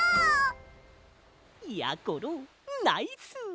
やころナイス！